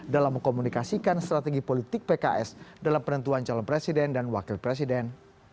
dalam mengkomunikasikan strategi politik pks dalam penentuan calon presiden dan wakil presiden